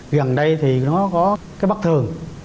gần đây thì nó có cái bất thường